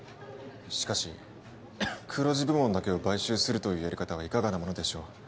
しかし黒字部門だけを買収するというやり方はいかがなものでしょう